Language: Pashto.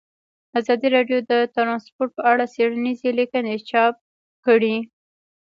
ازادي راډیو د ترانسپورټ په اړه څېړنیزې لیکنې چاپ کړي.